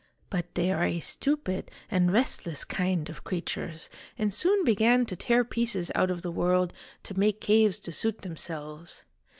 But they are a stupid and restless kind of creatures, and soon began to tear pieces out of the world to make caves to suit themselves.